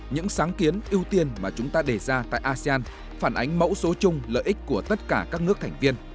những sáng kiến ưu tiên mà chúng ta đề ra tại asean phản ánh mẫu số chung lợi ích của tất cả các nước thành viên